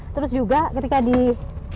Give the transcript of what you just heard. terus juga ketika disimpan